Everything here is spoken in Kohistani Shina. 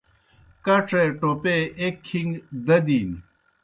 کڇے ٹوپے ایْک کِھݩگ دَدِن۔